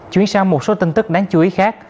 chuyển sang một số tin tức đáng chú ý khác